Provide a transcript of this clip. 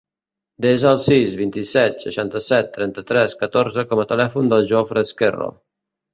Desa el sis, vint-i-set, seixanta-set, trenta-tres, catorze com a telèfon del Jofre Ezquerro.